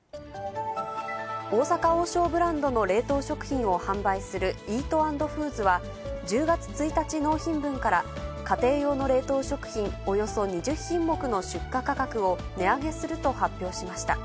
大阪王将ブランドの冷凍食品を販売するイートアンドフーズは、１０月１日納品分から家庭用の冷凍食品およそ２０品目の出荷価格を値上げすると発表しました。